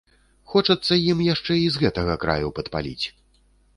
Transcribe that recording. Хочацца ім яшчэ і з гэтага краю падпаліць.